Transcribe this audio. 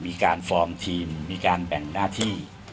ฟอร์มทีมมีการแบ่งหน้าที่